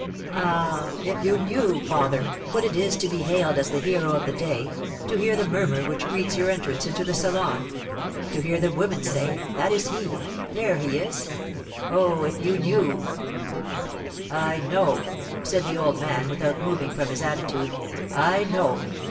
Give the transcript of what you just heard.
Ah, if you knew, father, what it is to be hailed as the hero of the day, to hear the murmur which greets your entrance into the salon, to hear the women say, 'That is he! There he is!' oh, if you knew " "I know," said the old man, without moving from his attitude, "I know.